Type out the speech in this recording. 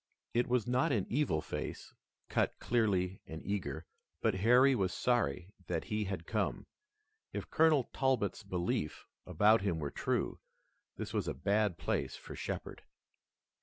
It was not an evil face, cut clearly and eager, but Harry was sorry that he had come. If Colonel Talbot's beliefs about him were true, this was a bad place for Shepard.